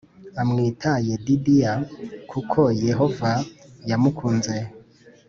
Amwita Yedidiya kuko Yehova yamukunze